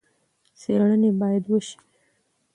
څېړنې باید وشي.